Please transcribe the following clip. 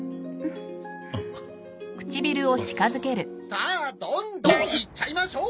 さあどんどんいっちゃいましょう！